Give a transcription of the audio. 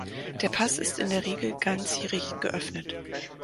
Der Pass ist in der Regel ganzjährig geöffnet.